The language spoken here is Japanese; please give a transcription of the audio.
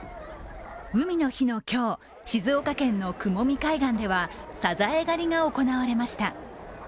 海の日の今日、静岡県の雲見海岸ではサザエ狩りが行われました。